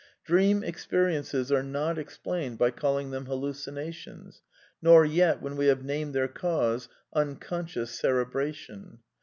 *^^ Dream experiences are not explained by calling them hallucinations; nor yet when we have named their cause " unconscious cerebration."